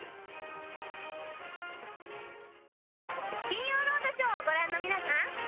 『金曜ロードショー』をご覧の皆さん